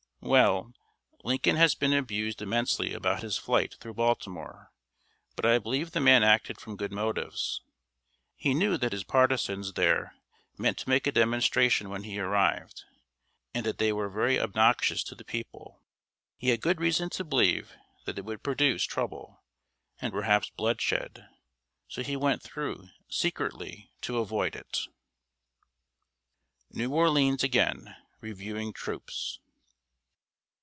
Well, Lincoln has been abused immensely about his flight through Baltimore; but I believe the man acted from good motives. He knew that his partisans there meant to make a demonstration when he arrived, and that they were very obnoxious to the people; he had good reason to believe that it would produce trouble, and perhaps bloodshed; so he went through, secretly, to avoid it. [Sidenote: NEW ORLEANS AGAIN REVIEWING TROOPS.